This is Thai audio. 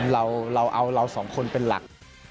เราเอาเราสองคนเป็นหลัก